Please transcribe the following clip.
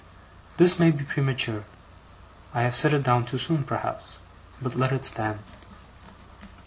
This may be premature. I have set it down too soon, perhaps. But let it stand.